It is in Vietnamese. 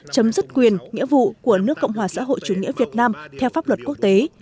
chấm dứt quyền nghĩa vụ của nước cộng hòa xã hội chủ nghĩa việt nam theo pháp luật quốc tế